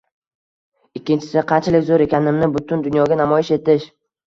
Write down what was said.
Ikkinchisi – qanchalik zoʻr ekanimni butun dunyoga namoyish etish.